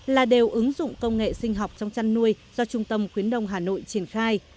là đều ứng dụng công nghệ sinh học trong chăn nuôi do trung tâm khuyến đông hà nội triển khai